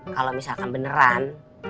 kalau misalkan beneran